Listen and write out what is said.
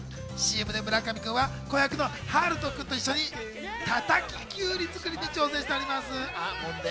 ＣＭで村上君は子役のはるとくんと一緒に叩ききゅうり作りに挑戦しております。